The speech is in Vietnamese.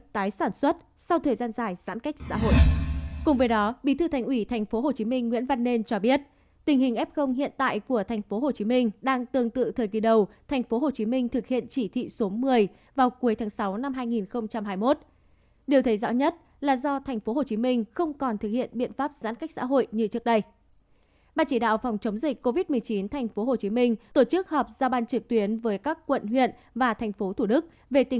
tình hình f hiện tại của tp hcm đang tương tự thời kỳ đầu tp hcm thực hiện chỉ thị số một mươi vào cuối tháng sáu năm hai nghìn hai mươi một